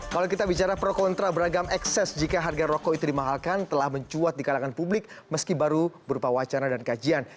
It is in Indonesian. kalau kita bicara pro kontra beragam ekses jika harga rokok itu dimahalkan telah mencuat di kalangan publik meski baru berupa wacana dan kajian